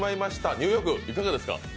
ニューヨーク、いかがですか？